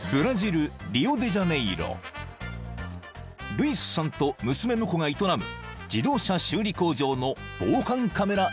［ルイスさんと娘婿が営む自動車修理工場の防犯カメラ映像］